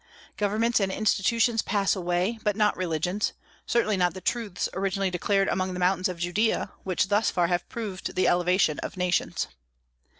Governments and institutions pass away, but not religions; certainly not the truths originally declared among the mountains of Judea, which thus far have proved the elevation of nations.